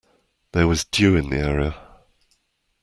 There was dew in the area.